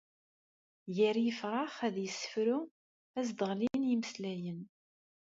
Gar yifrax ad yessefru, ad s-d-ɣlin imeslayen.